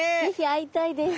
会いたいです。